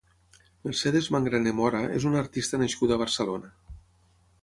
Mercedes Mangrané Mora és una artista nascuda a Barcelona.